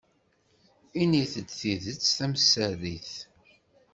Init-d tidet tamsarit.